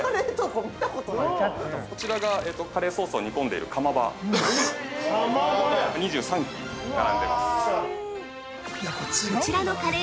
◆こちらがカレーソースを煮込んでいいる、釜場ですね。